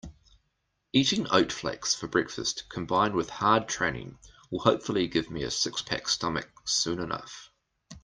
Eating oat flakes for breakfast combined with hard training will hopefully give me a six-pack stomach soon enough.